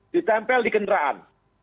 ditempel di kendaraan